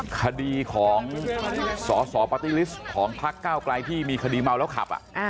คดีของสสปาร์ตี้ลิสต์ของพักเก้าไกลที่มีคดีเมาแล้วขับ